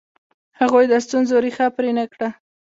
هغوی د ستونزو ریښه پرې نه کړه.